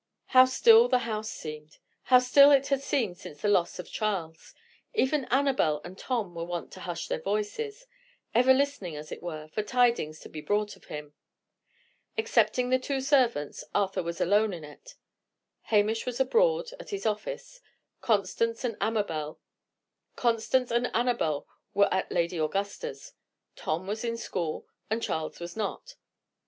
How still the house seemed! How still it had seemed since the loss of Charles! Even Annabel and Tom were wont to hush their voices; ever listening, as it were, for tidings to be brought of him. Excepting the two servants, Arthur was alone in it. Hamish was abroad, at his office; Constance and Annabel were at Lady Augusta's; Tom was in school; and Charles was not.